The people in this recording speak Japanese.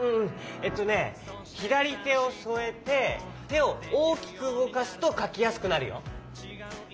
えっとねひだりてをそえててをおおきくうごかすとかきやすくなるよ。